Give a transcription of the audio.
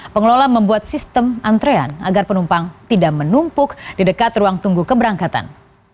pengelola membuat sistem antrean agar penumpang tidak menumpuk di dekat ruang tunggu keberangkatan